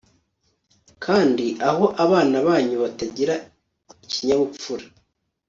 kandi aho abana banyu batagira ikinyabupfura